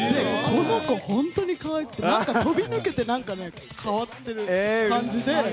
本当に可愛くて飛びぬけて変わってる感じで。